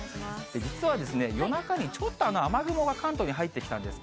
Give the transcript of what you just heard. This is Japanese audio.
実は、夜中にちょっと雨雲が関東に入ってきたんです。